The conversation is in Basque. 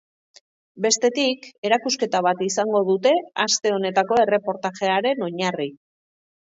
Bestetik, erakusketa bat izango dute aste honetako erreportajearen oinarri.